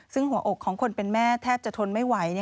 ซึ่งหัวอกของคนเป็นแม่แทบจะทนไม่ไหว